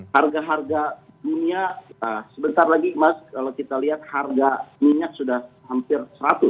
harga harga minyak sebentar lagi mas kalau kita lihat harga minyak sudah hampir seratus